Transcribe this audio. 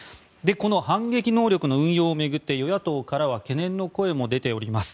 この反撃能力の運用を巡って与野党からは懸念の声も出ております。